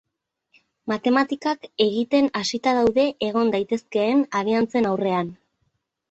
Matematikak egiten hasita daude egon daitezkeen aliantzen aurrean.